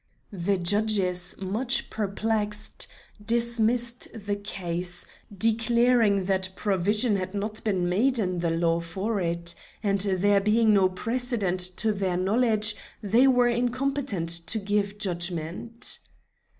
The judges, much perplexed, dismissed the case, declaring that provision had not been made in the law for it, and there being no precedent to their knowledge they were incompetent to give judgment.